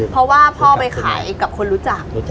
เพราะว่าพ่อไปขายกับคนรู้จัก